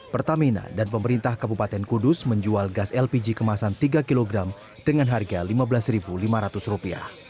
pertamina dan pemerintah kabupaten kudus menjual gas lpg kemasan tiga kg dengan harga rp lima belas lima ratus